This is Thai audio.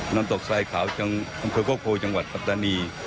น้ำตกไซขาวทางเผือกก้โคจังหวัดปรัตนี